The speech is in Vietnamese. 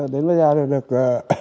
đến bây giờ được